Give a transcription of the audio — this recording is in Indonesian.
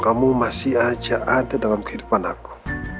kamu masih aja ada dalam kehidupan aku